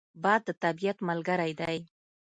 باد د طبیعت ملګری دی